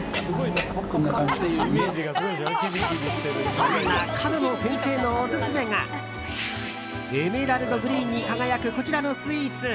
そんな角野先生のオススメがエメラルドグリーンに輝くこちらのスイーツ。